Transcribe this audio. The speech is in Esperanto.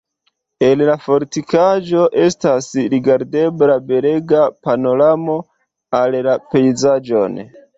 El la fortikaĵo estas rigardebla belega panoramo al la pejzaĝon.